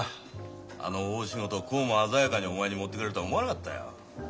あの大仕事をこうも鮮やかにお前に持っていかれるとは思わなかったよ。